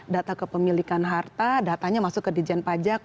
data kepemilikan harta datanya masuk ke dijen pajak